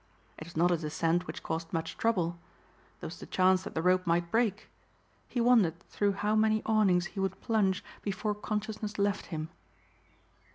It was not a descent which caused much trouble. There was the chance that the rope might break. He wondered through how many awnings he would plunge before consciousness left him.